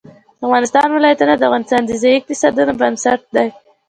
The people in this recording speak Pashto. د افغانستان ولايتونه د افغانستان د ځایي اقتصادونو بنسټ دی.